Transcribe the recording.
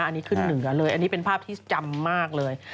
อันนี้ขึ้นเหนือเลยอันนี้เป็นภาพที่จำมากเลย